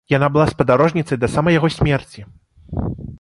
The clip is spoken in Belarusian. Яна была спадарожніцай да самай яго смерці.